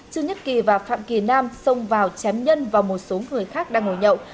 trương nhất kỳ và phạm kỳ nam xông vào chém nhân và một số người khác đang ngồi nhậu